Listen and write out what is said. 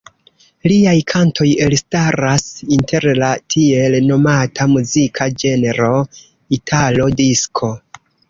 Liaj kantoj elstaras inter la tiel nomata muzika ĝenro italo-disko.